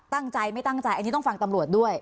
ตั้งใจไม่ตั้งใจอันนี้ต้องฟังตำรวจด้วย